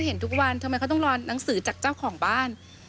หนังสือจากเจ้าของบ้าน